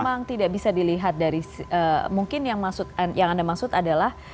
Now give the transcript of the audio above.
memang tidak bisa dilihat dari mungkin yang anda maksud adalah